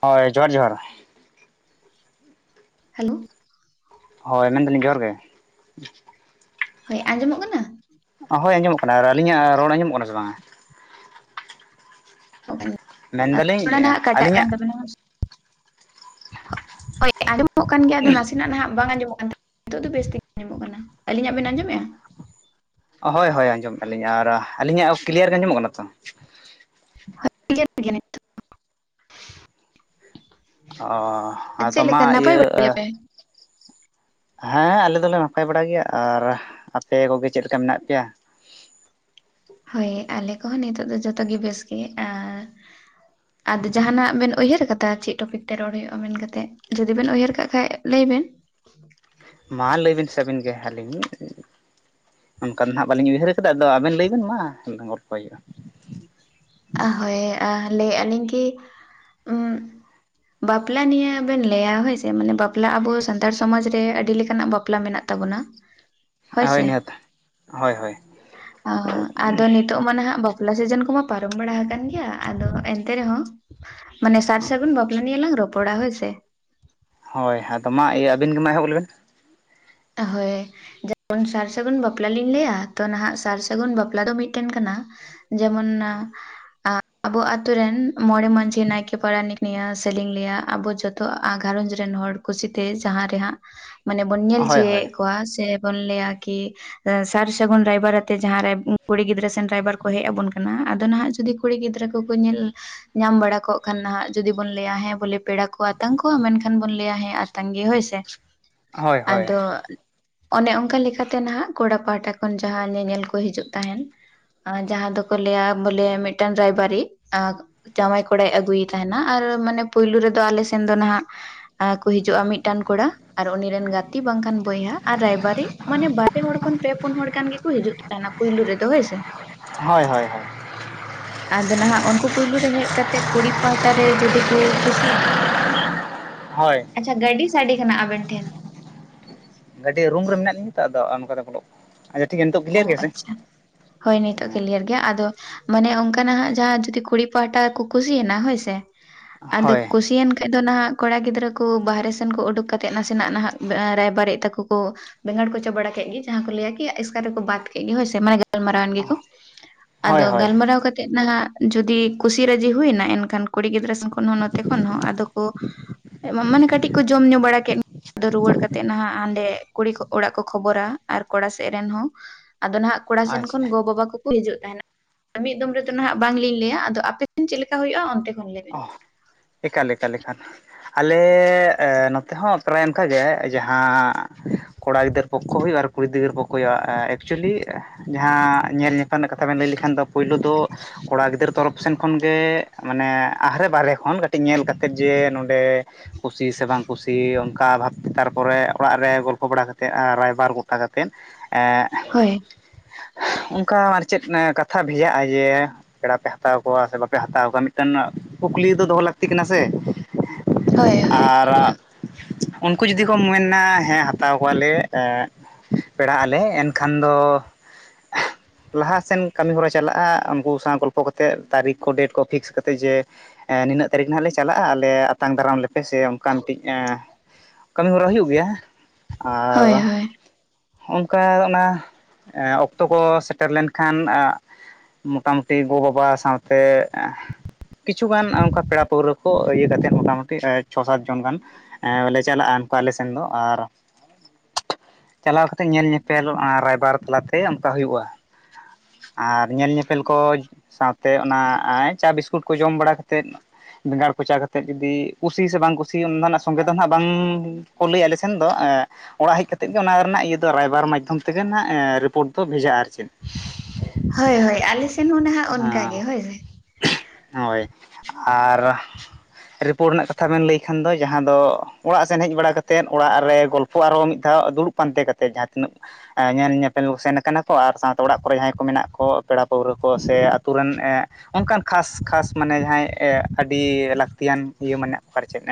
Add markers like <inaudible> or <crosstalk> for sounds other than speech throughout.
ᱦᱳᱭ ᱡᱚᱦᱟᱨ ᱡᱚᱦᱟᱨ ᱾ ᱦᱮᱞᱳ, ᱦᱳᱭ ᱢᱮᱱᱫᱟᱹᱞᱤᱧ ᱡᱚᱦᱟᱨᱜ ᱜᱮ ᱾ ᱦᱳᱭ ᱟᱸᱡᱚᱢᱚᱜ ᱠᱟᱱᱟ? ᱦᱳᱭ ᱟᱸᱚᱢᱚᱜ ᱠᱟᱱᱟ ᱾ ᱟᱨ ᱟᱹᱞᱤᱧᱟᱜ ᱨᱚᱲ ᱟᱸᱚᱢᱚᱜ ᱠᱟᱱᱟ ᱥᱮ ᱵᱟᱝ? ᱛᱚᱵᱮᱱ ᱟᱛ ᱢᱮᱱᱫᱟᱞᱤᱧ ᱛᱚᱲᱟ ᱱᱟᱦᱟᱜ ᱠᱟᱴᱟᱜ ᱠᱟᱱ ᱟᱹᱞᱤᱧᱟᱜ ᱛᱟᱵᱚᱱᱟ᱾ ᱦᱳᱭ ᱟᱸᱡᱚᱢᱚᱜ ᱠᱟᱱ ᱜᱮᱭᱟ ᱟᱫᱚ ᱱᱟᱥᱮ ᱱᱟᱦᱟᱸᱜ᱾ ᱵᱟᱝ ᱟᱸᱡᱚᱢᱚᱜ ᱠᱟᱱ ᱛᱟᱦᱮᱸ ᱱᱤᱛᱚᱜ ᱫᱚ ᱵᱮᱥ ᱛᱮᱜ ᱟᱸᱡᱚᱢᱚᱜ ᱠᱟᱱᱟ ᱾ ᱟᱹᱞᱤᱧᱟᱜ ᱵᱮᱱ ᱟᱸᱡᱚᱢᱮᱫᱼᱟ? ᱦᱳᱭ ᱦᱳᱭ ᱟᱸᱡᱚᱢ ᱮᱜᱼᱟᱞᱤᱧ ᱟᱨ ᱟᱹᱞᱤᱧᱟᱜ ᱠᱤᱞᱭᱟᱨ ᱜᱮ ᱟᱸᱡᱚᱢᱚᱜ ᱠᱟᱱᱟ ᱛᱚ? <unintelligible> ᱚ ᱟᱫᱚ ᱪᱮᱫ ᱢᱟ ᱞᱮᱠᱟ ᱱᱟᱯᱟᱭ ᱵᱟᱲᱟᱭ ᱜᱮᱭᱟ ᱤᱭᱟᱹ ᱯᱮ? ᱦᱮᱸ ᱟᱞᱮ ᱫᱚᱞᱮ ᱱᱟᱯᱟᱭ ᱵᱟᱲᱟ ᱜᱮᱭᱟ ᱾ ᱟᱨ ᱟᱯᱮ ᱠᱚᱜᱮ ᱪᱮᱫ ᱞᱮᱠᱟ ᱢᱮᱱᱟᱜ ᱯᱮᱭᱟ? ᱦᱳᱭ ᱟᱞᱮ ᱠᱚᱦᱚ ᱱᱤᱛᱚᱜ ᱫᱚ ᱡᱚᱛᱚ ᱜᱮ ᱵᱮᱥ ᱜᱮ ᱟᱨ <inaudible> ᱟᱫᱚ ᱡᱟᱦᱟᱸᱱᱟᱜ ᱵᱮᱱ ᱩᱭᱦᱟᱹᱨ ᱟᱠᱟᱫᱟ ᱪᱮᱫ ᱴᱚᱯᱤᱠ ᱛᱮ ᱨᱚᱲ ᱦᱩᱭᱩᱜᱼᱟ ᱢᱮᱱᱠᱟᱛᱮ᱾ ᱡᱩᱫᱤ ᱵᱮᱱ ᱩᱭᱦᱟᱹᱨ ᱠᱟᱜ ᱠᱷᱟᱡ ᱞᱟᱹᱭ ᱵᱮᱱ? ᱢᱟ ᱞᱟᱹᱭ ᱵᱤᱱ ᱥᱮᱵᱤᱱ ᱜᱮ ᱦᱟᱹᱞᱤᱧ <unintelligible> ᱚᱱᱠᱟ ᱫᱚ ᱱᱟᱦᱟᱸᱜ ᱵᱟᱹᱞᱤᱧ ᱩᱭᱦᱟᱹᱨ ᱟᱠᱟᱫᱟ᱾ ᱟᱫᱚ ᱟᱵᱮᱱ ᱞᱟᱹᱭᱵᱱ ᱢᱟ ᱜᱚᱞᱯᱚ ᱦᱩᱭᱩᱜᱼᱟ᱾ ᱟᱦ ᱦᱳᱭ ᱟ ᱞᱟᱹᱭ ᱟᱹᱞᱤᱧ ᱠᱤ ᱩᱸᱜ ᱵᱟᱯᱞᱟ ᱱᱤᱭᱟᱹ ᱵᱮᱱ ᱞᱟᱹᱭᱟ ᱦᱳᱭᱥᱮ ᱢᱟᱱᱮ ᱵᱟᱯᱞᱟ ᱟᱵᱚ ᱥᱟᱱᱛᱟᱲ ᱥᱚᱢᱟᱡᱽ ᱨᱮ ᱟᱹᱰᱤ ᱞᱮᱠᱟᱱᱟᱜ ᱵᱟᱯ ᱯᱞᱟ ᱢᱮᱱᱟᱜ ᱛᱟᱵᱚᱱᱟ᱾ <inaudible> ᱦᱳᱭ ᱥᱮ ᱱᱤᱦᱟᱹᱛ ᱦᱳᱭ ᱦᱳᱭ ᱟ ᱟᱫᱚ ᱱᱤᱛ ᱛᱚᱜ ᱢᱟ ᱱᱟᱦᱟᱸᱜ ᱵᱟᱯᱞᱟ ᱥᱤᱡᱤᱱ ᱠᱚᱢᱟ ᱯᱟᱨᱚᱢ ᱵᱟᱲᱟ ᱦᱟᱠᱟᱱ ᱜᱮᱭᱟ ᱟᱫᱚ ᱮᱱᱛᱮ ᱨᱮᱦᱚᱸ ᱢᱟᱱᱮ ᱥᱟᱨ ᱥᱟᱹᱜᱩᱱ ᱯᱟᱞᱟ ᱱᱳᱭᱟᱹᱞᱟᱝ ᱨᱚᱯᱚᱲᱟ ᱦᱳᱭ ᱥᱮ᱾ ᱦᱳᱭ ᱟᱫᱚ ᱢᱟ ᱤᱭᱟᱹ ᱟᱵᱤᱱ ᱜᱮᱢᱟ ᱮᱦᱚᱵ ᱞᱮᱵᱮᱱ᱾ ᱦᱳᱭ᱾ ᱡᱮᱠᱷᱚᱱ ᱥᱟᱨ ᱥᱟᱹᱜᱩᱱ ᱵᱟᱯᱞᱟ ᱞᱤᱧ ᱞᱟᱹᱭᱟ ᱛᱚ ᱱᱟᱦᱟᱸᱜ ᱥᱟᱨ ᱥᱟᱹᱜᱩᱱ ᱵᱟᱯᱞᱟ ᱫᱚ ᱢᱤᱫᱴᱮᱱ ᱠᱟᱱᱟ᱾ ᱡᱮᱢᱚᱱ ᱱᱟ ᱟ ᱟᱵᱚ ᱟᱛᱩᱨ ᱨᱮᱱ ᱢᱚᱬᱮ ᱢᱟᱺᱡᱷᱤ ᱱᱟᱭᱠᱮ ᱯᱟᱨᱟᱱᱤᱠ ᱱᱟᱥᱮᱞᱤᱧ ᱞᱟᱹᱭᱟ ᱟᱵᱚ ᱡᱚᱛ ᱛᱚ ᱟ ᱜᱷᱟᱨᱚᱸᱡᱽ ᱨᱮᱱ ᱦᱚᱲ ᱠᱩᱥᱤᱛᱮ ᱡᱟᱦᱟᱸ ᱨᱮᱦᱟᱸᱜ ᱢᱟᱱᱮ ᱵᱚᱱ ᱧᱮᱞᱸ ᱦᱳᱭ ᱦᱳᱭ ᱠᱚᱣᱟ ᱥᱮ ᱵᱚᱱ ᱞᱟᱹᱭᱟ ᱠᱤ ᱥᱮ ᱥᱟᱨ ᱥᱟᱹᱜᱩᱱ ᱨᱟᱭᱵᱟᱨ ᱟᱛᱮ ᱡᱟᱦᱟᱸ ᱠᱩᱲᱤ ᱜᱤᱫᱽᱨᱟᱹ ᱥᱮᱱ ᱨᱟᱭᱵᱟᱨ ᱠᱚ ᱦᱮᱡ ᱟᱵᱚᱱ ᱠᱟᱱᱟ᱾ ᱟᱫᱚ ᱱᱟᱦᱟᱸᱜ ᱡᱩᱫᱤ ᱠᱩᱲᱤ ᱜᱤᱫᱽᱨᱟᱹ ᱠᱚᱠᱚ ᱧᱮᱞ ᱧᱟᱢ ᱵᱟᱲᱟ ᱠᱚᱜ ᱠᱷᱟᱱ ᱦᱟᱸᱜ ᱡᱩᱫᱤ ᱵᱚᱱ ᱞᱟᱹᱭᱟ ᱦᱮᱸ ᱵᱚᱞᱮ ᱯᱮᱲᱟ ᱠᱚ ᱟᱛᱟᱝ ᱠᱚᱣᱟᱢ ᱮᱱᱠᱷᱟᱱ ᱵᱚᱱ ᱞᱟᱹᱭᱟ ᱦᱮᱸ ᱟᱛᱟᱝ ᱜᱮ ᱦᱳᱭ ᱥᱮ᱾ ᱦᱳᱭ ᱦᱳᱭ᱾ ᱟᱫᱚ ᱚᱱᱮ ᱚᱱᱠᱟ ᱞᱮᱠᱟᱛᱮ ᱱᱟᱦᱟᱸᱜ ᱠᱚᱲᱟ ᱯᱟᱦᱴᱟ ᱠᱷᱚᱱ ᱡᱟᱦᱟᱸ ᱧᱮᱧᱮᱞ ᱠᱚ ᱦᱤᱡᱩᱜ ᱛᱟᱦᱮᱱ᱾ ᱟ ᱡᱟᱦᱟᱸ ᱫᱚᱠᱚ ᱞᱟᱹᱭᱟ ᱵᱚᱞᱮ ᱢᱤᱫᱴᱟᱝ ᱨᱟᱭᱵᱟᱨᱤ ᱟᱠ ᱡᱟᱢᱟᱭ ᱠᱚᱲᱟᱭ ᱟᱹᱜᱩᱭ ᱛᱟᱦᱮᱱᱟ ᱟᱨ ᱢᱟᱱᱮ ᱯᱳᱭᱞᱳ ᱨᱮᱫᱚ ᱟᱞᱮ ᱥᱮᱱ ᱫᱚ ᱱᱟᱦᱟᱸᱜ ᱟ ᱠᱩ ᱦᱤᱡᱩᱜᱼᱟ ᱢᱤᱫᱴᱟᱱ ᱠᱚᱲᱟ ᱟᱨ ᱩᱱᱤ ᱨᱮᱱ ᱜᱟᱛ ᱛᱤ ᱵᱟᱝᱠᱷᱟᱱ ᱵᱚᱭᱦᱟ ᱟᱨ ᱨᱟᱭᱵᱟᱨᱤ ᱢᱟᱱᱮ ᱵᱟᱨ ᱯᱮ ᱦᱚᱲ ᱠᱷᱚᱱ ᱯᱮ ᱯᱩᱱ ᱦᱚᱲ ᱜᱟᱱ ᱜᱮᱠᱚ ᱦᱤᱡᱩᱜ ᱛᱟᱦᱮᱱᱟ ᱯᱩᱭᱞᱳ ᱨᱮᱫᱚ ᱦᱳᱭ ᱥᱮ᱾ ᱦᱳᱭ ᱦᱳᱭ ᱦᱳᱭ᱾ ᱟᱫᱚ ᱱᱟᱦᱟᱸᱜ ᱩᱱᱠᱩ ᱯᱩᱭᱞᱳ ᱨᱮ ᱦᱮᱡ ᱠᱟᱛᱮᱫ ᱠᱩᱲᱤ ᱯᱟᱦᱟᱴᱟ ᱨᱮ ᱡᱩᱫᱤ ᱠᱩ ᱠᱩᱥᱤᱭᱮᱱᱟ ᱦᱳᱭ᱾ ᱟᱪᱪᱷᱟ ᱜᱟᱹᱰᱤ ᱥᱟᱰᱮ ᱠᱟᱱᱟ ᱟᱵᱮᱱ ᱴᱷᱮᱱ᱾ ᱜᱟᱹᱰᱤ ᱨᱩᱢ ᱨᱮ ᱢᱮᱱᱟᱜ ᱞᱤᱧᱟ ᱛᱚ ᱟᱫᱚ ᱚᱱᱠᱟ ᱛᱮ ᱵᱚᱞᱚᱜ ᱟᱪᱪᱷᱟ ᱴᱷᱤᱠ ᱜᱮᱭᱟ ᱱᱤᱛᱚᱜ ᱚ ᱠᱞᱤᱭᱟᱨ ᱜᱮᱭᱟ ᱥᱮ ᱟᱪᱪᱷᱟ᱾ ᱦᱳᱭ ᱱᱤᱛᱚᱜ ᱠᱤᱞᱭᱟᱨ ᱜᱮᱭᱟ ᱟᱫᱚ ᱢᱟᱱᱮ ᱚᱱᱠᱟᱱᱟᱜ ᱱᱟᱦᱟᱸᱜ ᱡᱟᱦᱟᱸ ᱡᱩᱫᱤ ᱠᱩᱲᱤ ᱯᱟᱦᱟᱴᱟ ᱠᱚ ᱠᱩᱥᱤᱭᱮᱱᱟ ᱦᱳᱭᱥᱮ᱾ ᱟᱫᱚ ᱦᱳᱭ ᱠᱩᱥᱤᱭᱮᱱ ᱠᱷᱟᱡ ᱫᱚ ᱱᱟᱦᱟᱜ ᱠᱟᱲᱟ ᱜᱤᱫᱽᱨᱟᱹ ᱠᱚ ᱵᱟᱨᱦᱮ ᱥᱮᱱ ᱠᱚ ᱩᱰᱩᱠ ᱠᱟᱛᱮᱫ ᱱᱟᱥᱮᱱᱟᱜ ᱱᱟᱦᱟᱸᱜ ᱵᱮ ᱟ ᱨᱟᱭᱵᱟᱨᱤᱡ ᱛᱟᱠᱚ ᱠᱚ ᱵᱮᱸᱜᱟᱲ ᱠᱚᱪᱟ ᱵᱟᱲᱟ ᱠᱮᱜ ᱜᱮ ᱡᱟᱦᱟᱸ ᱠᱚ ᱞᱟᱹᱭᱟ ᱠᱤ ᱮᱥᱠᱟᱨ ᱨᱮᱠᱚ ᱵᱟᱫ ᱠᱮᱫ ᱜᱮ ᱦᱳᱭ ᱥᱮ ᱢᱟᱱᱮ ᱜᱟᱞᱢᱟᱨᱟᱣᱮᱱ ᱜᱮᱠᱚ, ᱦᱳᱭ ᱟᱫᱚ ᱦᱳᱭ ᱜᱟᱞᱢᱟᱨᱟᱣ ᱠᱟᱛᱮᱫ ᱱᱟᱦᱟᱸᱜ ᱡᱩᱫᱤ ᱠᱩᱥᱤ ᱨᱟᱹᱡᱤ ᱦᱩᱭᱱᱟ, ᱮᱱᱠᱷᱟᱱ ᱠᱩᱲᱤ ᱜᱤᱫᱽᱨᱟᱹ ᱥᱮᱱ ᱠᱷᱚᱱ ᱦᱚᱸ ᱱᱚᱛᱮ ᱠᱷᱚᱱ ᱦᱚᱸ ᱟᱫᱚ ᱠᱚ ᱢᱟ ᱢᱟᱱᱮ ᱠᱟᱹᱴᱤᱡ ᱠᱚ ᱡᱚᱢ ᱧᱩ ᱵᱟᱲᱟ ᱠᱮᱫ ᱟᱫᱚ ᱨᱩᱣᱟᱹᱲ ᱠᱟᱛᱮ ᱱᱟᱦᱟᱸᱜ ᱦᱟᱸᱰᱮ ᱠᱩᱲᱤ ᱚᱲᱟᱜ ᱠᱚ ᱠᱷᱚᱵᱚᱨᱟ ᱟᱨ ᱠᱚᱲᱟ ᱥᱮᱜ ᱨᱮᱱ ᱦᱚᱸ᱾ ᱟᱫᱚ ᱱᱟᱦᱟᱸᱜ ᱠᱚᱲᱟ ᱥᱮᱱ ᱠᱷᱚᱱ ᱟᱪᱪᱷᱟ ᱜᱚ ᱵᱟᱵᱟ ᱠᱚ ᱦᱤᱡᱩᱜ ᱛᱟᱦᱮᱸᱱᱟ᱾ ᱢᱤᱫ ᱫᱚᱢ ᱨᱮᱫᱚ ᱱᱟᱦᱟᱸᱜ ᱵᱟᱝᱞᱤᱝ ᱞᱟᱹᱭᱟ ᱟᱫᱚ ᱟᱯᱮ ᱴᱷᱮᱱ ᱪᱮᱫ ᱞᱮᱠᱟ ᱦᱳᱭᱳᱜᱼᱟ ᱚᱱᱛᱮ ᱠᱷᱚᱱ ᱞᱟᱹᱭ ᱵᱮᱱ ᱚᱦ᱾ ᱮᱠᱟᱞ ᱮᱠᱟᱞ ᱮᱠᱟᱞ᱾ ᱟᱞᱮ ᱮ ᱱᱚᱛᱮ ᱦᱚᱸ ᱯᱨᱟᱭ ᱚᱱᱠᱟ ᱜᱮ ᱡᱟᱦᱟᱸ ᱠᱚᱲᱟ ᱜᱤᱫᱟᱹᱨ ᱯᱚᱠᱠᱷᱚ ᱦᱳᱭᱳᱜᱼᱟ ᱟᱨ ᱠᱩᱲᱤ ᱜᱤᱫᱟᱹᱨ ᱯᱚᱠᱠᱷᱚᱭ ᱦᱩᱭᱩᱜᱼᱟ ᱮᱸ ᱮᱠᱪᱩᱭᱮᱞᱤ ᱡᱟᱦᱟᱸ ᱧᱮᱞ ᱧᱟᱯᱮᱞ ᱨᱮᱱᱟᱜ ᱠᱟᱛᱷᱟ ᱵᱮᱱ ᱞᱟᱹᱭ ᱞᱮᱠᱷᱟᱱ ᱫᱚ ᱯᱩᱭᱞᱩ ᱫᱚ ᱠᱚᱲᱟ ᱜᱤᱫᱟᱹᱨ ᱛᱚᱨᱚᱯ ᱥᱮᱱ ᱠᱷᱚᱱ ᱜᱮ ᱮᱸ ᱢᱟᱱᱮ ᱟᱦᱨᱮ ᱵᱟᱦᱨᱮ ᱠᱷᱚᱱ ᱠᱟᱹᱴᱤᱡ ᱧᱮᱞ ᱠᱟᱛᱮᱫ ᱡᱮ, ᱱᱚᱸᱰᱮ ᱠᱩᱥᱤ ᱥᱮ ᱵᱟᱝ ᱠᱩᱥᱤ ᱚᱱᱠᱟ ᱵᱷᱟᱵᱽᱛᱮ ᱛᱟᱨᱯᱚᱨᱮ ᱚᱲᱟᱜ ᱨᱮ ᱜᱚᱞᱯᱷᱚ ᱵᱟᱲᱟ ᱠᱟᱛᱮᱫ ᱨᱟᱭᱵᱟᱨ ᱜᱚᱴᱟ ᱠᱟᱛᱮᱫ ᱮᱸ ᱦᱳᱭ ᱚᱱᱠᱟ ᱟᱨᱪᱮᱫ ᱠᱟᱛᱷᱟ ᱵᱷᱮᱡᱟᱜᱼᱟ ᱡᱮ, ᱯᱮᱲᱟ ᱯᱮ ᱦᱟᱛᱟᱣ ᱠᱚᱣᱟ ᱥᱮ ᱵᱟᱯᱮ ᱦᱟᱛᱟᱣ ᱠᱚᱣᱟ ᱢᱤᱫᱴᱮᱱ ᱠᱩᱠᱞᱤ ᱫᱚ ᱫᱚᱦᱚᱸ ᱞᱟᱹᱠᱛᱤ ᱠᱟᱱᱟ ᱥᱮ ᱦᱳᱭ ᱦᱳᱭ ᱟᱨ ᱩᱱᱠᱩ ᱡᱩᱫᱤ ᱠᱚ ᱢᱮᱱᱟ ᱦᱮᱸ ᱦᱟᱛᱟᱣ ᱠᱚᱣᱟᱞᱮ ᱮᱸ ᱯᱮᱲᱟᱜ ᱟᱞᱮ ᱮᱱᱠᱷᱟᱱ ᱫᱚ ᱞᱟᱦᱟᱥᱮᱱ ᱠᱟᱹᱢᱤ ᱦᱚᱨᱟ ᱪᱟᱞᱟᱜᱼᱟ ᱩᱱᱠᱩ ᱥᱟᱶ ᱜᱚᱞᱯᱚ ᱠᱟᱛᱮᱫ ᱛᱟᱨᱤᱠ ᱠᱚ ᱰᱮᱴ ᱠᱚ ᱯᱷᱤᱠᱥ ᱠᱟᱛᱮᱫ ᱡᱮ ᱮᱸ ᱱᱤᱱᱟᱹᱜ ᱛᱟᱹᱨᱤᱠᱷ ᱦᱟᱸᱜ ᱞᱮ ᱪᱟᱞᱟᱜᱼᱟ, ᱟᱞᱮ ᱟᱛᱟᱝ ᱫᱟᱨᱟᱢ ᱞᱮᱯᱮ ᱥᱮ ᱚᱱᱠᱟ ᱢᱤᱫᱴᱤᱡ ᱮᱸ ᱠᱟᱹᱢᱤ-ᱦᱚᱨᱟ ᱦᱩᱭᱩᱜ ᱜᱮᱭᱟ ᱟᱨ ᱦᱳᱭ ᱦᱳᱭ ᱚᱱᱠᱟ ᱚᱱᱟ ᱮᱸ ᱚᱠᱛᱚ ᱠᱚ ᱥᱮᱴᱮᱨ ᱞᱮᱱᱠᱷᱟᱱ ᱟ ᱢᱚᱴᱟ ᱢᱩᱴᱤ ᱜᱚ ᱵᱟᱵᱟ ᱥᱟᱶ ᱛᱮ ᱮᱸ ᱠᱤᱪᱷᱩ ᱜᱟᱱ ᱚᱱᱠᱟ ᱯᱮᱲᱟ-ᱯᱟᱹᱣᱦᱨᱟᱹ ᱠᱚ ᱤᱭᱟᱹ ᱠᱟᱛᱮᱫ ᱢᱳᱴᱟ ᱢᱩᱴᱤ ᱪᱷᱚ ᱥᱟᱸᱛ ᱡᱚᱱ ᱜᱟᱱ ᱮᱸ ᱞᱮ ᱪᱟᱞᱟᱜᱼᱟ ᱩᱱᱠᱩ ᱟᱞᱮ ᱥᱮᱱ ᱫᱚ ᱟᱨ ᱪᱟᱞᱟᱣ ᱠᱟᱛᱮᱜ ᱧᱮᱞ ᱧᱮᱯᱮᱞ ᱨᱟᱭᱵᱟᱨ ᱛᱟᱞᱟ ᱛᱮ ᱚᱱᱠᱟ ᱦᱩᱭᱩᱜᱼᱟ᱾ ᱟᱨ ᱧᱮᱞ ᱧᱮᱯᱮᱞ ᱠᱚ ᱥᱟᱶ ᱛᱮ ᱚᱱᱟ ᱪᱟ ᱵᱤᱥᱠᱩᱴ ᱠᱚ ᱡᱚᱢ ᱵᱟᱲᱟ ᱠᱟᱛᱮᱫ᱾ ᱵᱮᱸᱜᱟᱲ ᱠᱚᱪᱟ ᱠᱟᱛᱮᱫ ᱡᱩᱫᱤ ᱠᱩᱥᱤ ᱥᱮ ᱵᱟᱝ ᱠᱩᱥᱤ ᱚᱱᱟ ᱫᱚᱱᱟᱜ ᱥᱚᱸᱜᱮ ᱫᱚ ᱱᱟᱦᱟᱜ ᱵᱟᱝ ᱠᱚ ᱞᱟᱹᱭ ᱟᱞᱮ ᱥᱮᱱ ᱫᱚ ᱮᱸ ᱚᱲᱟᱜ ᱦᱮᱡ ᱠᱟᱛᱮᱫ ᱜᱮ ᱚᱱᱟ ᱨᱮᱱᱟᱜ ᱤᱭᱟᱹ ᱫᱚ ᱨᱟᱭᱵᱟᱨ ᱢᱟᱫᱽᱫᱷᱚᱢ ᱛᱮᱜᱮ ᱱᱟᱦᱟᱜ ᱨᱤᱯᱳᱴ ᱫᱚ ᱵᱷᱮᱡᱟᱜᱼᱟ ᱟᱨ ᱪᱮᱫ ᱦᱳᱭ, ᱦᱳᱭ ᱟᱞᱮ ᱥᱮᱱ ᱦᱚᱸ ᱱᱟᱦᱟᱜ ᱚᱱᱠᱟ ᱜᱮ ᱦᱳᱭ ᱦᱳᱭ᱾ ᱦᱳᱭ, ᱟᱨ ᱨᱤᱯᱳᱨᱴ ᱨᱮᱱᱟᱜ ᱠᱟᱛᱷᱟ ᱵᱮᱱ ᱞᱟᱹᱭ ᱠᱷᱟᱱ ᱫᱚ ᱡᱟᱦᱟᱸ ᱫᱚ ᱚᱲᱟᱜ ᱥᱮᱱ ᱦᱮᱡ ᱵᱟᱲᱟ ᱠᱟᱛᱮᱫ ᱚᱲᱟᱜ ᱨᱮ ᱜᱚᱞ ᱯᱚ ᱟᱨᱦᱚᱸ ᱢᱤᱫ ᱫᱷᱟᱣ ᱫᱩᱲᱩᱵ ᱯᱟᱱᱛᱮ ᱠᱟᱛᱮ ᱡᱟᱦᱟᱸ ᱛᱤᱱᱟᱹᱜ ᱮᱸ ᱧᱮᱞ ᱧᱮᱯᱮᱞ ᱥᱮᱱ ᱠᱟᱱᱟ ᱠᱚ ᱟᱨ ᱥᱟᱶᱛᱮ ᱚᱲᱟᱜ ᱠᱚᱨᱮ ᱡᱟᱦᱟᱸᱭ ᱠᱚ ᱢᱮᱱᱟᱜ ᱠᱚ ᱯᱮᱲᱟ ᱯᱟᱹᱣᱨᱟ᱾ ᱠᱚ ᱥᱮ ᱟᱛᱳ ᱨᱮᱱ ᱚᱱᱠᱟᱱ ᱠᱷᱟᱥ ᱠᱷᱟᱥ ᱢᱟᱱᱮ ᱡᱟᱦᱟᱸᱭ ᱟᱹᱰᱤ ᱞᱟᱹᱠ ᱞᱟᱹᱠᱛᱤᱭᱟᱱ ᱤᱭᱟᱹ ᱢᱮᱱᱟᱜ ᱠᱚᱣᱟ ᱟᱨ ᱪᱮᱫ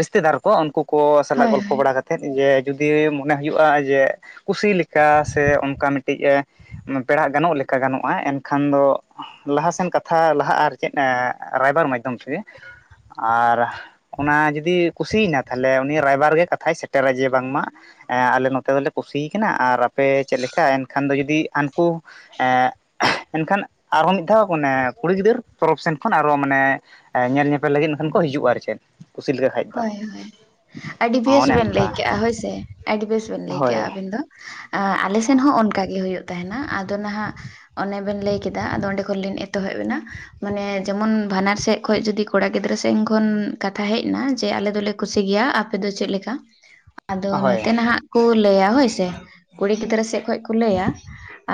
ᱨᱤᱥᱛᱮ ᱫᱟᱨ ᱠᱚ ᱩᱱᱠᱩ ᱠᱚ ᱥᱟᱞᱟᱜ ᱦᱳᱭ ᱜᱚᱞᱯᱚ ᱦᱳᱭ ᱵᱟᱲᱟ ᱠᱟᱛᱮᱫ ᱛᱮᱫ ᱡᱮ ᱡᱩᱫᱤ ᱢᱚᱱᱮ ᱦᱩᱭᱩᱜᱼᱟ ᱡᱮ ᱠᱩᱥᱤᱮᱠᱟ ᱥᱮ ᱚᱱᱠᱟ ᱢᱤᱫᱴᱤᱡ ᱮᱸ ᱯᱮᱲᱟ ᱜᱟᱱᱚᱜ ᱞᱮᱠᱟ ᱜᱟᱱᱚᱜᱼᱟ ᱮᱱᱠᱷᱟᱱ ᱫᱚ ᱞᱟᱦᱟᱥᱮᱱ ᱠᱟᱛᱷᱟ ᱞᱟᱦᱟᱜ ᱟᱨ ᱪᱮᱫ ᱨᱟᱭᱵᱟᱨ ᱢᱟᱫᱽᱫᱷᱚᱢ ᱛᱮ ᱜᱮ ᱟᱨ ᱚᱱᱟ ᱡᱩᱫᱤ ᱠᱩᱥᱤᱭ ᱠᱟᱱ ᱛᱟᱦᱞᱮ ᱩᱱᱤ ᱨᱟᱭᱵᱟᱨ ᱜᱮ ᱠᱟᱛᱷᱟᱭ ᱥᱮᱴᱮᱨᱟ ᱡᱮ ᱵᱟᱝᱢᱟ ᱮᱸ ᱟᱞᱮ ᱱᱚᱛᱮ ᱫᱚᱞᱮ ᱠᱩᱥᱤ ᱠᱟᱱᱟ ᱟᱨ ᱟᱯᱮ ᱪᱮᱫ ᱞᱮᱠᱟ ᱮᱱᱠᱷᱟᱱ ᱫᱚ ᱡᱩᱫᱤ ᱦᱟᱱᱠᱩ ᱮᱸ ᱮᱱᱠᱷᱟᱱ ᱟᱨᱚ ᱢᱤᱫ ᱫᱷᱟᱣ ᱢᱟᱱᱮ ᱠᱩᱲᱤ ᱜᱤᱫᱽᱨᱟᱹ ᱛᱚᱨᱚᱵᱽ ᱥᱮᱱ ᱠᱷᱚᱱ ᱟᱨᱚ ᱢᱟᱱᱮ ᱮᱸ ᱧᱮᱞ ᱧᱮᱯᱮᱞ ᱞᱟᱹᱜᱤᱫ ᱮᱱᱠᱷᱟᱱ ᱦᱤᱡᱩᱜ-ᱟ ᱟᱨ ᱪᱮᱫ? ᱠᱩᱥᱤ ᱞᱮᱠᱚ ᱠᱷᱟᱡ ᱫᱚ ᱦᱳᱭ, ᱦᱳᱭ ᱟᱹᱰᱤ ᱵᱮᱥ ᱚᱱᱮ ᱵᱮᱱ ᱚᱱᱠᱟ ᱞᱟᱹᱭᱠᱮᱜᱼᱟ ᱦᱳᱭᱥᱮ, ᱟᱹᱰᱤ ᱵᱮᱥ ᱵᱮᱱ ᱞᱟᱹᱭ ᱦᱳᱭ ᱠᱮᱜᱼᱟ ᱟᱹᱵᱤᱱ ᱫᱚ᱾ ᱟᱞᱮ ᱥᱮᱱ ᱦᱚᱸ ᱚᱱᱠᱟ ᱜᱮ ᱦᱳᱭᱳᱜ ᱛᱟᱦᱮᱸᱱᱟ᱾ ᱟᱫᱚ ᱱᱟᱦᱟᱸᱜ ᱚᱱᱰᱮ ᱵᱮᱱ ᱞᱟᱹᱭ ᱠᱮᱫᱟ ᱟᱫᱚ ᱚᱸᱰᱮ ᱠᱷᱚᱱ ᱞᱧ ᱮᱛᱚᱦᱚᱵ ᱮᱱᱟ ᱢᱟᱱᱮ ᱡᱮᱢᱚᱱ ᱵᱟᱱᱟᱨ ᱥᱮᱫ ᱠᱷᱚᱡ ᱡᱩᱫᱤ ᱾ ᱠᱚᱲᱟ ᱜᱤᱫᱽᱨᱟᱹ ᱥᱮᱧ ᱠᱷᱚᱱ ᱠᱟᱛᱷᱟ ᱦᱮᱡ ᱮᱱᱟ ᱾ ᱡᱮ ᱟᱞᱮ ᱫᱚᱞᱮ ᱠᱩᱥᱤ ᱜᱮᱭᱟ ᱟᱯᱮ ᱫᱚ ᱪᱮᱫ ᱞᱮᱠᱟ ᱟᱫᱚ ᱦᱳᱭ ᱱᱚᱛᱮ ᱱᱟᱦᱟᱜ ᱾ ᱠᱚ ᱞᱟᱹᱭᱟ ᱦᱳᱭ ᱥᱮ ᱠᱩᱲᱤ ᱜᱤᱫᱽᱨᱟᱹ ᱥᱮᱡ ᱠᱷᱚᱡ ᱠᱚ ᱞᱟᱹᱭᱟ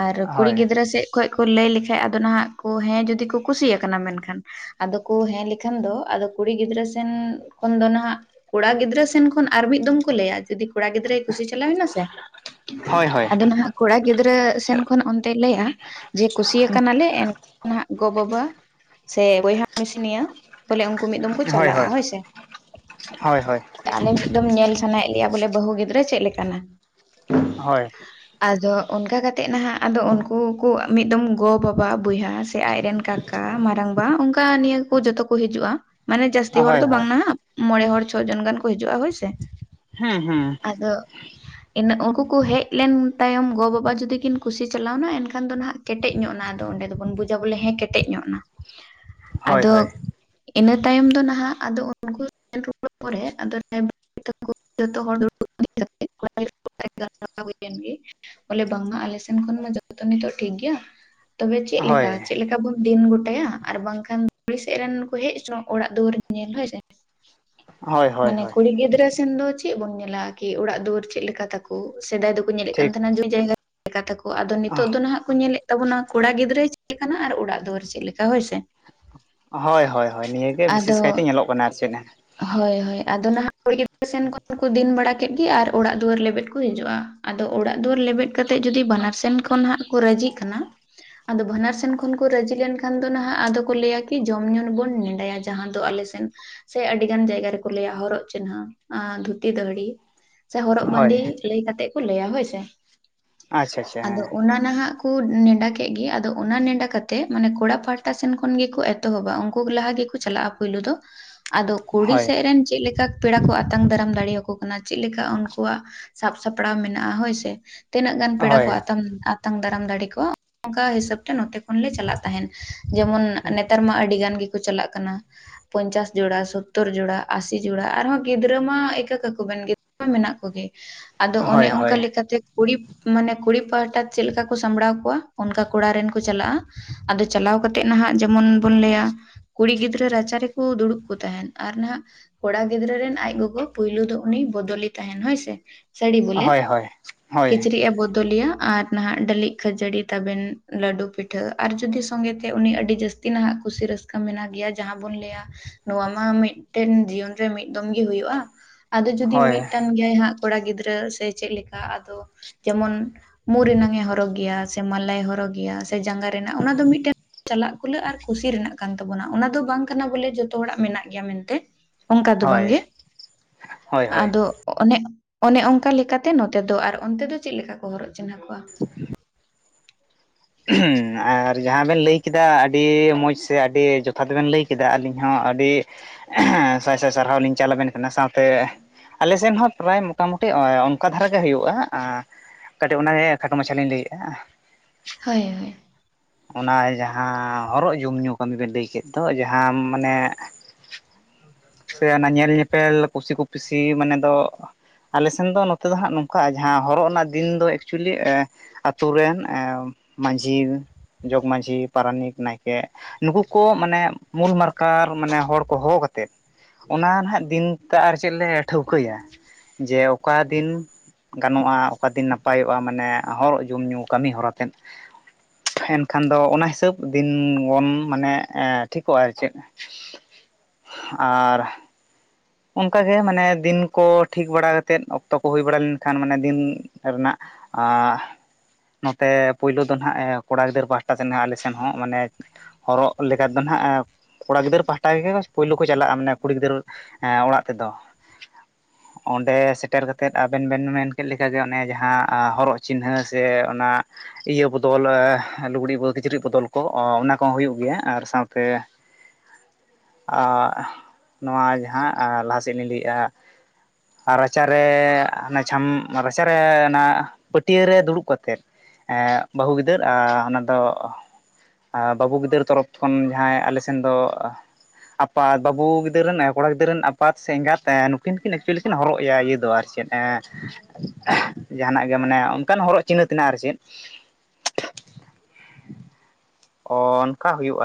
ᱟᱨ ᱠᱩᱲᱤ ᱦᱳᱭ ᱜᱤᱫᱽᱨᱟᱹ ᱥᱮᱡ ᱾ ᱠᱷᱚᱡ ᱠᱚ ᱞᱟᱹᱭ ᱞᱮᱠᱷᱟᱡ ᱟᱫᱚ ᱱᱚᱦᱟᱜ ᱠᱚ ᱦᱮᱸ ᱡᱩᱫᱤ ᱠᱚ ᱠᱩᱥᱤᱭᱟᱠᱟᱱᱟ ᱢᱮᱱᱠᱷᱟᱱ ᱟᱫᱚ ᱠᱚ ᱦᱮᱸ ᱞᱮᱠᱷᱟᱱ ᱫᱚ ᱟᱫᱚ ᱠᱩᱲᱤ ᱜᱤᱫᱽᱨᱟᱹ ᱥᱮᱱ ᱛᱚᱠᱷᱚᱱ ᱫᱚ ᱱᱟᱦᱟᱜ ᱠᱚᱲᱟ ᱜᱤᱫᱽᱨᱟᱹ ᱥᱮᱱ ᱠᱷᱚᱱ ᱟᱨ ᱢᱤᱫ ᱫᱚᱢ ᱠᱚ ᱞᱟᱹᱭᱟ ᱡᱩᱫᱤ ᱾ ᱠᱚᱲᱟ ᱜᱤᱫᱽᱨᱟᱹᱭ ᱠᱩᱥᱤ ᱪᱟᱞᱟᱣᱱᱟ ᱥᱮ ᱦᱳᱭ ᱟᱫᱚ ᱱᱟᱦᱟᱜ ᱾ ᱠᱚᱲᱟ ᱜᱤᱫᱽᱨᱟᱹ ᱥᱮᱱ ᱠᱷᱚᱱ ᱚᱱᱛᱮᱭ ᱞᱟᱹᱭᱼᱟ ᱾ ᱡᱮ ᱠᱩᱥᱤ ᱭᱟᱠᱟᱱᱟᱞᱮ ᱮᱱᱠᱷᱟᱱ ᱦᱟᱜ ᱜᱚ ᱵᱟᱵᱟ ᱥᱮ ᱵᱚᱭᱦᱟ ᱢᱤᱥᱤᱱᱤᱭᱟᱹ ᱾ ᱵᱚᱞᱮ ᱩᱱᱠᱩ ᱢᱤᱫ ᱫᱚᱢ ᱠᱚ ᱪᱟᱞᱟᱜᱼᱟ ᱦᱳᱭᱥᱮ ᱾ ᱦᱚᱭ ᱦᱚᱭ ᱾ ᱟᱞᱮ ᱢᱤᱫ ᱫᱚᱢ ᱧᱮᱞ ᱥᱟᱱᱟᱭᱮᱫ ᱞᱮᱭᱟ ᱵᱚᱞᱮ ᱵᱟᱹᱦᱩ ᱜᱤᱫᱽᱨᱟᱹ ᱪᱮᱫᱞᱮᱠᱟ ᱱᱟ᱾ ᱦᱚᱭ ᱾ ᱟᱫᱚ ᱚᱱᱠᱟ ᱠᱟᱛᱮ ᱱᱟᱦᱟᱜ ᱟᱫᱚ ᱩᱱᱠᱩ ᱠᱚ ᱢᱤᱫ ᱫᱚᱢ ᱜᱚᱼ ᱵᱟᱵᱟ ᱵᱚᱭᱦᱟ ᱥᱮ ᱟᱡᱨᱮᱱ <unintelligible> ᱾ ᱠᱟ ᱢᱟᱨᱟᱝᱵᱟ ᱚᱱᱠᱟ ᱱᱤᱭᱟᱹ ᱠᱚ ᱡᱚᱛᱚ ᱠᱚ ᱦᱤᱡᱩᱜᱼᱟ ᱾ ᱢᱟᱱᱮ ᱡᱟᱹᱥᱛᱤ ᱦᱚᱲ ᱦᱳᱭ ᱫᱚ ᱦᱳᱭ ᱵᱟᱝ ᱱᱟ ᱦᱟᱜ ᱢᱚᱬᱮ ᱦᱚᱲ ᱪᱷᱚ ᱡᱚᱱ ᱜᱟᱱ ᱠᱚ ᱦᱤᱡᱩᱜᱼᱟ ᱦᱳᱭᱥᱮ ᱾ ᱦᱩᱸ ᱦᱩᱸ ᱾ ᱟᱫᱚ ᱮᱱᱟᱹ ᱩᱱᱠᱩ ᱠᱚ ᱦᱮᱡ ᱞᱮᱱ ᱛᱟᱭᱚᱢ ᱜᱚᱼᱵᱟᱵᱟ ᱡᱩᱚᱫᱤ ᱠᱤᱱ ᱠᱩᱥᱤ ᱪᱟᱞᱟᱣᱱᱟ ᱮᱱᱠᱷᱟᱱ ᱫᱚ ᱱᱟᱜ ᱾ ᱠᱮᱴᱮᱡ ᱧᱚᱜ ᱱᱟ ᱟᱫᱚ ᱚᱸᱰᱮ ᱫᱚᱵᱚᱱ ᱵᱩᱡᱟ ᱵᱚᱞᱮ ᱦᱮᱸ ᱠᱮᱴᱮᱡ ᱧᱚᱜ ᱱᱟ᱾ ᱦᱳᱭ ᱟᱫᱚ ᱦᱳᱭ ᱤᱱᱟᱹ ᱛᱟᱭᱚᱢ ᱫᱚ ᱱᱟᱦᱟᱜ ᱟᱫᱚ ᱩᱱ ᱯᱮ <inaudible> <inaudible> ᱜᱮ ᱵᱚᱞᱮ ᱵᱟᱝᱢᱟ ᱟᱞᱮ ᱥᱮᱱ ᱠᱷᱚᱱ ᱢᱟ ᱡᱚᱛᱚ ᱠᱟᱢᱤ ᱫᱚ ᱴᱷᱤᱠ ᱜᱮᱭᱟ ᱾ ᱛᱚᱵᱮ ᱪᱮᱜ ᱦᱳᱭ ᱞᱮᱠᱟ ᱪᱮᱜ ᱞᱮᱠᱟ ᱵᱚᱱ᱾ ᱫᱤᱱ ᱜᱚᱴᱟᱭᱟ ᱟᱨ ᱵᱟᱝᱠᱷᱟᱱ ᱠᱩᱲᱤ <inaudible> ᱥᱮᱜ ᱨᱮᱱ ᱠᱚ ᱦᱮᱡ ᱦᱚᱪᱚᱜᱼᱟ ᱚᱲᱟᱜ ᱫᱩᱣᱟᱹᱨ ᱧᱮᱞ ᱦᱳᱭᱮ᱾ ᱦᱳᱭ ᱦᱳᱭ ᱢᱟᱱᱮ ᱦᱳᱭ ᱠᱩᱲᱤ ᱜᱤᱫᱽᱨᱟᱹ ᱥᱮᱱ ᱫᱚ ᱪᱮᱫ ᱵᱚᱱ ᱧᱮᱞᱟ ᱠᱤ ᱚᱲᱟᱜ ᱫᱩᱣᱟᱹᱨ ᱪᱮᱫᱞᱮᱠᱟ ᱛᱟᱠᱚ᱾ <unintelligible> ᱥᱮᱫᱟᱭ ᱫᱚᱠᱚ ᱧᱮᱞᱮᱫ ᱳ ᱥᱮᱫᱟᱭ ᱫᱚᱠᱚ ᱧᱮᱞᱮᱫ ᱠᱟᱱ ᱴᱷᱤᱠ ᱛᱟᱦᱮᱸᱱᱟ ᱡᱩᱢᱤ ᱡᱟᱭᱜᱟ <inaudible> ᱠᱟᱛᱷᱟᱠᱚ ᱟᱫᱚ ᱱᱤᱛᱚᱜ ᱫᱚ ᱱᱟᱦᱟᱜ ᱠᱚ ᱧᱮᱞᱮᱫ ᱛᱟᱵᱚᱱᱟ ᱠᱚᱲᱟ ᱜᱤᱫᱽᱨᱟᱹᱭ <inaudible> ᱪᱮᱫ ᱞᱮᱠᱟᱱᱟᱜ ᱟᱨ ᱚᱲᱟᱜ ᱫᱩᱣᱟᱹᱨ ᱪᱮᱫ ᱞᱮᱠᱟᱱᱟ ᱦᱳᱭᱥᱮ ᱾ ᱦᱳᱭ ᱦᱳᱭ ᱦᱳᱭ ᱱᱤᱭᱟᱹᱜᱮ ᱵᱤᱥᱮᱥ ᱠᱟᱭᱛᱮ ᱧᱮᱞᱚᱜ ᱠᱟᱱᱟ ᱟᱨ ᱪᱮᱫ ᱱᱮ ᱾ ᱦᱚᱭ ᱦᱚᱭ ᱟᱫᱚ ᱱᱟᱦᱟᱜ ᱠᱩᱲᱤ ᱜᱤᱫᱽᱨᱟᱹ ᱥᱮᱱ ᱠᱷᱚᱱ ᱠᱚ ᱫᱤᱱ ᱵᱟᱲᱟ ᱠᱮᱫ ᱜᱮ ᱟᱨ ᱚᱲᱟᱜ ᱫᱩᱣᱟᱹᱨ ᱞᱮᱵᱮᱫ ᱠᱚ ᱦᱤᱡᱩᱜᱼᱟ ᱟᱫᱚ ᱚᱲᱟᱜ ᱫᱩᱣᱟᱹᱨ ᱞᱮᱵᱮᱫ ᱠᱟᱛᱮᱫ ᱡᱩᱫᱤ ᱵᱟᱱᱟᱨ ᱥᱮᱱ ᱠᱷᱚᱱ ᱦᱟᱸᱟᱜ ᱠᱚ ᱨᱟᱹᱡᱤᱜ ᱠᱟᱱᱟ ᱟᱫᱚ ᱵᱟᱱᱟᱨ ᱥᱮᱱ ᱠᱷᱚᱱ ᱠᱚ ᱨᱟᱹᱡᱤ ᱞᱮᱱᱠᱷᱟᱱ ᱫᱚ ᱱᱟᱦᱟᱜ ᱟᱫᱚ ᱠᱚ ᱞᱟᱹᱭᱟ ᱠᱤ ᱡᱚᱢ ᱧᱩ ᱵᱚᱱ ᱱᱮᱰᱟᱭᱟ ᱡᱟᱦᱟᱸ ᱫᱚ ᱟᱞᱮ <inaudible> ᱥᱮ ᱟᱹᱰᱤ ᱜᱟᱱ ᱡᱟᱭᱜᱟ ᱨᱮᱠᱚ ᱞᱟᱹᱭᱟ ᱦᱚᱨᱚᱜ ᱪᱤᱱᱦᱟᱹ ᱟᱻᱫᱷᱩᱛᱤ ᱫᱟᱹᱦᱲᱤ ᱥᱮ ᱦᱚᱨᱚᱜ ᱦᱳᱭ ᱵᱟᱸᱫᱮ᱾ ᱞᱟᱹᱭ ᱠᱟᱛᱮᱜ ᱠᱚ ᱞᱟᱹᱭᱟ ᱦᱳᱭᱥᱮ ᱟᱪᱪᱷᱟ ᱟᱪᱪᱷᱟ ᱦᱮᱸ ᱟᱫᱚ ᱚᱱᱟ ᱱᱟᱦᱟᱜ ᱠᱩ ᱱᱮᱰᱟ ᱠᱮᱜ ᱜᱮ ᱟᱫᱚ ᱚᱱᱟ ᱱᱮᱰᱟ ᱠᱟᱛᱮᱜ ᱢᱟᱱᱮ ᱠᱚᱲᱟ ᱯᱟᱦᱟᱴᱟ ᱥᱮᱱ ᱠᱷᱚᱱ ᱜᱮᱠᱚ ᱮᱛᱚᱦᱚᱵᱟ ᱩᱱᱠᱩ ᱞᱟᱦᱟ ᱜᱮ <inaudible> <inaudible> ᱾ ᱪᱟᱞᱟᱜᱼᱟ ᱯᱩᱭ ᱫᱚ ᱟᱫᱚ ᱠᱩᱲᱤ ᱦᱳᱭ ᱥᱮᱜ ᱨᱮᱱ ᱪᱮᱫ ᱞᱮᱠᱟ ᱯᱮᱲᱟ ᱠᱚ ᱟᱛᱟᱝ ᱫᱟᱨᱟᱢ ᱫᱟᱲᱮᱭᱟᱠᱚ ᱠᱟᱱᱟ ᱪᱮᱫ ᱞᱮᱠᱟ ᱩᱱᱠᱩᱣᱟᱜ ᱥᱟᱵ ᱥᱟᱯᱲᱟᱣ ᱢᱮᱱᱟᱜᱼᱟ ᱦᱳᱭᱥᱮ᱾ ᱛᱤᱱᱟᱹᱜ ᱜᱟᱱ ᱯᱮᱲᱟ ᱠᱚ ᱦᱳᱭ ᱟᱭᱢᱟ ᱟᱛ <inaudible> ᱾ ᱛᱟᱝ ᱫᱟᱨᱟᱢ ᱫᱟᱲᱮ ᱠᱚᱣᱟ ᱚᱱᱠᱟ ᱦᱤᱥᱟᱹᱵ ᱛᱮ ᱱᱚᱛᱮ ᱠᱷᱚᱱ ᱞᱮ ᱪᱟᱞᱟᱜ ᱛᱟᱦᱮᱱ ᱡᱮᱢᱚᱱ ᱱᱮᱛᱟᱨ ᱢᱟ ᱟᱹᱰᱤ ᱜᱟᱱ ᱜᱮᱠᱚ ᱪᱟᱞᱟᱜ ᱠᱟᱱᱟ ᱯᱚᱧᱪᱟᱥ᱾ ᱡᱚᱲᱟ ᱥᱳᱛᱛᱳᱨ ᱡᱳᱲᱟ ᱟᱥᱤ ᱡᱚᱲᱟ ᱟᱨᱦᱚᱸ ᱜᱤᱫᱽᱨᱟᱹ ᱢᱟ ᱮᱠᱟᱹ ᱠᱟᱠᱚᱵᱮᱱ ᱜᱤᱫᱽᱨᱟᱹ ᱢᱟ ᱢᱮᱱᱟᱜ ᱠᱚᱜᱮ᱾ ᱟᱫᱚ ᱚᱱᱮ ᱦᱳᱭ ᱚᱝᱠᱟ ᱦᱳᱭ ᱞᱮᱠᱟᱛᱮ ᱠᱩᱲᱤᱯ <inaudible> ᱾ ᱢᱟᱱᱮ ᱠᱩᱲᱤ ᱯᱟᱦᱴᱟ ᱪᱮᱞᱮᱠᱟ ᱠᱚ ᱥᱟᱢᱵᱲᱟᱣ ᱠᱚᱣᱟ ᱚᱱᱠᱟ ᱠᱚᱲᱟ ᱨᱮᱱ ᱠᱚ ᱪᱟᱞᱟᱜᱼᱟ᱾ ᱟᱫᱚ ᱪᱟᱞᱟᱣ ᱠᱟᱛᱮᱫ ᱱᱟᱦᱟᱜ ᱡᱮᱢᱚᱱ ᱵᱚᱱ ᱞᱟᱹᱭᱟ ᱠᱩᱲᱤ ᱜᱤᱫᱽᱨᱟᱹ ᱨᱟᱪᱟ ᱨᱮᱠᱚ ᱫᱩᱲᱩᱵ᱾ ᱠᱚ ᱛᱟᱦᱮᱸᱱ ᱟᱨ ᱱᱟᱦᱟᱜ ᱠᱚᱲᱟ ᱜᱤᱫᱽᱨᱟᱹ ᱨᱮᱱ ᱟᱡ ᱜᱚᱜᱚ ᱯᱳᱭᱞᱳ ᱫᱚ ᱩᱱᱤ ᱵᱚᱫᱚᱞᱤ ᱛᱟᱦᱮᱸᱱ ᱦᱳᱭ ᱥᱮ᱾ ᱥᱟᱹᱲᱤ ᱵᱚᱞᱮ ᱦᱳᱭ ᱦᱳᱭ ᱦᱳᱭ ᱠᱤᱪᱨᱤᱡ ᱮ ᱵᱚᱫᱚᱞᱮᱤᱭᱟ ᱟᱨ ᱱᱟᱦᱟᱜ ᱰᱟᱹᱞᱤᱡ, ᱠᱷᱟᱹᱡᱟᱹᱲᱤ, ᱛᱟᱵᱮᱱ, ᱞᱟᱹᱰᱩ, ᱯᱤᱴᱷᱟᱹ ᱟᱨ ᱡᱩᱫᱤ ᱥᱚᱸᱜᱮᱛᱮ ᱩᱱᱤ ᱟᱹᱰᱤ ᱡᱟᱹᱥᱛᱤ ᱱᱟᱦᱟᱜ ᱠᱩᱥᱤ ᱨᱟᱹᱥᱠᱟᱹ ᱢᱮᱱᱟᱜ ᱜᱮᱭᱟ ᱡᱟᱦᱟᱸ ᱵᱚᱱ ᱞᱟᱹᱭᱟ ᱱᱚᱣᱟ ᱢᱟ ᱢᱤᱫᱴᱮᱱ ᱡᱤᱭᱚᱱ ᱨᱮ ᱢᱤᱫ ᱫᱚᱢ ᱜᱮ ᱦᱳᱭᱳᱜᱼᱟ ᱟᱫᱚ ᱡᱩᱫᱤ ᱦᱳᱭ ᱢᱤᱫᱴᱟᱝ ᱜᱮᱭᱟᱭ ᱦᱟᱸᱜ ᱠᱚᱲᱟ ᱜᱤᱫᱽᱨᱟᱹ ᱥᱮ ᱪᱮᱫ ᱞᱮᱠᱟ ᱟᱫᱚ ᱡᱮᱢᱚᱱ ᱢᱩ ᱨᱮᱱᱟᱝᱮ ᱦᱚᱨᱚᱜ ᱜᱮᱭᱟ ᱥᱮ ᱢᱟᱞᱟᱭ ᱦᱚᱨᱚᱜᱽ ᱜᱮᱭᱟ ᱥᱮ ᱡᱟᱸᱜᱟ ᱨᱮᱱᱟᱜ ᱚᱱᱟ ᱫᱚ ᱢᱤᱫᱴᱮᱱ ᱪᱟᱞᱟᱜ ᱠᱩᱞᱟᱹᱜ ᱟᱨ ᱠᱩᱥᱤ ᱨᱮᱱᱟᱜ ᱠᱟᱱ ᱛᱟᱵᱚᱱᱟ ᱚᱱᱟ ᱫᱚ ᱵᱟᱝ ᱠᱟᱱᱟ ᱵᱚᱞᱮ ᱡᱚᱛᱚ ᱡᱚᱛᱚ ᱦᱚᱲᱟᱜ ᱢᱮᱱᱟᱜ ᱜᱮᱭᱟ ᱢᱮᱱᱛᱮ ᱚᱱᱠᱟ ᱫᱚ ᱦᱳᱭ ᱵᱟᱝᱜᱮ ᱦᱳᱭ ᱦᱳᱭ ᱟᱫᱚ ᱚᱱᱮ ᱚᱱᱮ ᱚᱱᱠᱟ ᱞᱮᱠᱟᱛᱮ ᱱᱚᱛᱮ ᱫᱚ᱾ ᱟᱨ ᱚᱱᱛᱮ ᱫᱚ ᱪᱮᱫ ᱞᱮᱠᱟ ᱠᱚ ᱦᱚᱨᱚᱜ ᱪᱤᱱᱦᱟᱹ ᱠᱚᱣᱟ? ᱟᱨ ᱡᱟᱦᱟᱸ ᱵᱮᱱ ᱞᱟᱹᱭ ᱠᱮᱫᱟ ᱟᱹᱰᱤ ᱢᱚᱡᱽ ᱥᱮ ᱟᱹᱰᱤ ᱡᱚᱛᱷᱟᱛ ᱵᱮᱱ ᱞᱟᱹᱭ ᱠᱮᱫᱟ ᱟᱹᱞᱤᱧ ᱦᱚᱸ ᱟᱹᱰᱤ ᱥᱟᱭ ᱥᱟᱭ ᱥᱟᱨᱦᱟᱣ ᱞᱤᱧ ᱪᱟᱞ ᱟᱵᱮᱱ ᱠᱟᱱᱟ ᱥᱟᱶᱛᱮ ᱟᱞᱮ ᱥᱮᱱ ᱦᱚᱸ ᱯᱨᱟᱭ ᱢᱳᱴᱟᱢᱩᱴᱤ ᱚᱱᱠᱟ ᱫᱷᱟᱨᱟᱜ ᱜᱮ ᱦᱩᱭᱩᱜᱼᱟ ᱠᱟᱹᱴᱤᱡ ᱚᱱᱟᱜᱮ ᱠᱷᱟᱴᱚ ᱢᱟᱪᱷᱟ ᱞᱤᱧ ᱞᱟᱹᱭᱮᱜᱼᱟ᱾ ᱦᱳᱭ ᱦᱳᱭ ᱾ ᱚᱱᱟ ᱡᱟᱦᱟᱸ ᱦᱚᱨᱚᱜ ᱡᱚᱢᱧᱩ ᱠᱟᱹᱢᱤ ᱵᱮᱱ ᱞᱟᱹᱭ ᱠᱮᱫ᱾ ᱫᱚ ᱡᱟᱦᱟᱸ ᱢᱟᱱᱮ ᱥᱮ ᱚᱱᱟ ᱧᱮᱞ ᱧᱮᱯᱮᱞ ᱠᱩᱥᱤ ᱠᱚᱯᱤᱥᱤ ᱢᱟᱱᱮ ᱫᱚ ᱟᱞᱮ ᱥᱮᱱ ᱫᱚ ᱱᱚᱛᱮ ᱫᱚ ᱦᱟᱸᱜ ᱱᱚᱝᱠᱟ ᱡᱟᱦᱟᱸ ᱦᱚᱨᱚᱜ ᱨᱮᱱᱟᱜ ᱫᱤᱱ ᱫᱚ ᱮᱠᱪᱩᱭᱮᱞᱤ ᱟᱛᱳ ᱨᱮᱱ ᱢᱟᱹᱡᱷᱤ, ᱡᱚᱜᱽ ᱢᱟᱹᱡᱷᱤ, ᱯᱟᱨᱟᱱᱤᱠ, ᱱᱟᱭᱠᱮ ᱱᱩᱠᱩ ᱠᱚ ᱢᱟᱱᱮ ᱢᱩᱞ ᱢᱟᱨ ᱠᱟᱨ ᱢᱟᱱᱮ ᱦᱚᱲ ᱠᱚ ᱦᱚᱦᱚ ᱠᱟᱛᱮᱫ ᱚᱱᱟ ᱱᱟᱦᱟᱜ ᱫᱤᱱᱛᱮ ᱟᱨ ᱪᱮᱫ ᱞᱮ ᱴᱷᱟᱹᱣᱠᱟᱹᱭᱟ ᱡᱮ ᱚᱠᱟ ᱫᱤᱱ ᱜᱟᱱᱚᱜᱼᱟ ᱚᱠᱟ ᱫᱤᱱ ᱱᱟᱯᱟᱭᱚᱜᱼᱟ ᱢᱟᱱᱮ ᱦᱚᱨᱚᱜ ᱡᱚᱢᱼᱧᱩ ᱠᱟᱹᱢᱤᱦᱚᱨᱟ ᱛᱮᱫ᱾ ᱮᱱᱠᱷᱟᱱ ᱫᱚ ᱚᱱᱟ ᱦᱤᱥᱟᱹᱵ ᱫᱤᱱ ᱜᱚᱱ ᱢᱟᱱᱮ ᱴᱷᱤᱠᱚᱜᱼᱟ ᱟᱨ ᱪᱮᱫ᱾ ᱟᱨ ᱚᱱᱠᱟᱜᱮ ᱢᱟᱱᱮ ᱫᱤᱱ ᱠᱚ ᱴᱷᱤᱠ ᱵᱟᱲᱟᱛᱮᱫ ᱚᱠᱛᱚ ᱠᱚ ᱦᱩᱭ ᱵᱟᱲᱟ ᱞᱮᱱᱠᱷᱟᱱ ᱢᱟᱱᱮ ᱫᱤᱱ ᱨᱮᱱᱟᱜ ᱟᱨ ᱱᱚᱛᱮ ᱯᱳᱭᱞᱳ ᱫᱚ ᱱᱟᱦᱟᱜ ᱠᱚᱲᱟ ᱜᱤᱫᱽᱨᱟᱹ ᱯᱟᱦᱴᱟ ᱥᱮᱫ ᱟᱞᱮ ᱥᱮᱱ ᱦᱚᱸ ᱢᱟᱱᱮ ᱦᱚᱨᱚᱜ ᱞᱮᱠᱟ ᱫᱚ ᱦᱟᱸᱜ ᱠᱚᱲᱟ ᱜᱤᱫᱽᱟᱹᱨᱟᱹ ᱯᱟᱦᱴᱟ ᱜᱮ ᱯᱳᱭᱞᱳ ᱠᱚ ᱪᱟᱞᱟᱜᱼᱟ ᱢᱟᱱᱮ ᱠᱩᱲᱤ ᱜᱤᱫᱟᱹᱨ ᱮᱸᱜ ᱚᱲᱟᱜ ᱛᱮᱫᱚ᱾ ᱚᱸᱰᱮ ᱥᱮᱴᱮᱨ ᱠᱟᱛᱮᱫ ᱟᱵᱮᱱ ᱵᱮᱱ ᱢᱮᱱ ᱠᱮᱫ ᱞᱮᱠᱟᱜᱮ ᱚᱱᱮ ᱡᱟᱦᱟᱸ ᱦᱚᱨᱚᱜ ᱪᱤᱱᱦᱟᱹ ᱥᱮ ᱚᱱᱟ ᱤᱭᱟᱹ ᱵᱚᱫᱚᱞ ᱞᱩᱜᱽᱲᱤᱡ ᱵᱚᱫᱚᱞ ᱠᱤᱪᱨᱤᱡ ᱵᱚᱫᱚᱞ ᱠᱚ ᱚᱱᱟ ᱠᱚᱦᱚᱸ ᱦᱩᱭᱩᱜ ᱜᱮᱭᱟ ᱟᱨ ᱥᱟᱶᱛᱮ ᱟᱜ ᱱᱚᱣᱟ ᱡᱟᱦᱟᱸ ᱞᱟᱦᱟ ᱥᱮᱫ ᱞᱤᱧ ᱞᱟᱹᱭᱮᱜᱼᱟ ᱟᱨ ᱨᱟᱪᱟᱨᱮ ᱚᱱᱟ ᱪᱷᱟᱢ ᱨᱟᱪᱟᱨᱮ ᱚᱱᱟ ᱯᱟᱹᱴᱭᱟᱹᱨᱮ ᱫᱩᱲᱩᱵ ᱠᱟᱛᱮᱫ ᱵᱟᱹᱦᱩ ᱜᱤᱫᱟᱹᱨ ᱟᱨ ᱚᱱᱟ ᱫᱚ ᱵᱟᱹᱵᱩ ᱜᱤᱫᱟᱹᱨ ᱛᱚᱨᱚᱯᱷ ᱠᱷᱚᱱ ᱡᱟᱦᱟᱸᱭ ᱟᱞᱮ ᱥᱮᱱ ᱫᱚ ᱟᱯᱟ ᱵᱟᱹᱵᱩ ᱜᱤᱫᱟᱹᱨᱟᱹ ᱨᱮᱱ ᱠᱚᱲᱟ ᱜᱤᱫᱽᱟᱹᱨᱟᱹ ᱨᱮᱱ ᱟᱯᱟᱛ ᱥᱮ ᱮᱸᱜᱟᱛ ᱱᱩᱠᱤᱱ ᱠᱤᱱ ᱮᱠᱪᱩᱭᱮᱞᱤ ᱠᱤᱱ ᱦᱚᱨᱚᱜ ᱮᱼᱟ ᱤᱭᱟᱹ ᱫᱚ ᱟᱨ ᱪᱮᱫ ᱡᱟᱦᱟᱱᱟᱜ ᱜᱮ ᱢᱟᱱᱮ ᱚᱱᱠᱟᱱ ᱦᱚᱨᱚᱜ ᱪᱤᱱᱦᱟᱹ ᱛᱮᱱᱟᱜᱼᱟ ᱟᱨ ᱪᱮᱫ᱾ ᱚ ᱚᱱᱠᱟ ᱦᱩᱭᱩᱜᱼᱟ᱾